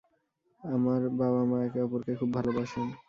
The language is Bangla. আমার বাবা মা একে অপরকে খুব ভালোবাসেন!